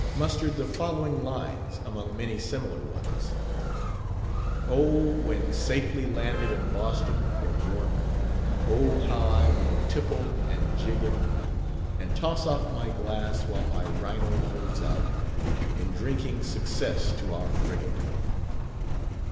_ mustered the following lines among many similar ones: "Oh, when safely landed in Boston or 'York, Oh how I will tipple and jig it; And toss off my glass while my rhino holds out, In drinking success to our frigate!"